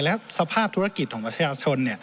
และสภาพธุรกิจของประชาชน